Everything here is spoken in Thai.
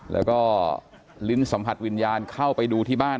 แล้วก็ลิ้นสัมผัสวิญญาณเข้าไปดูที่บ้าน